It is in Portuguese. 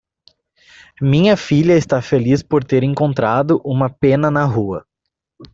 Minha filha está feliz por ter encontrado uma pena na rua.